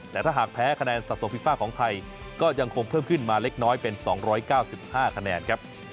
แต่ถ้าหากแพ้คะแนนสะสมฟีฟ่าของไทยก็ยังคงเพิ่มขึ้นมาเล็กน้อยเป็น๒๙๕คะแนนครับ